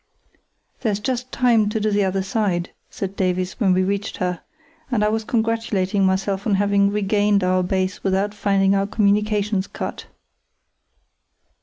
"There's just time to do the other side," said Davies, when we reached her, and I was congratulating myself on having regained our base without finding our communications cut.